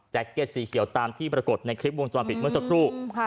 เก็ตสีเขียวตามที่ปรากฏในคลิปวงจรปิดเมื่อสักครู่